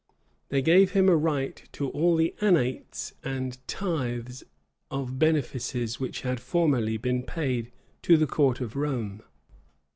They gave him a right to all the annates and tithes of benefices which had formerly been paid to the court of Rome.